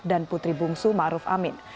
dan putri bungsu ma'ruf amin